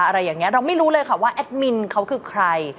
อะไรอย่างนี้เราไม่รู้เลยค่ะว่าแอดมินเขาคือใคร